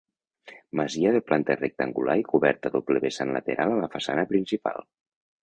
Masia de planta rectangular i coberta a doble vessant lateral a la façana principal.